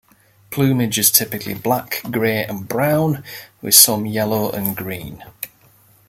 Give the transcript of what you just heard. Plumage is typically black, grey, and brown, with some yellow and green.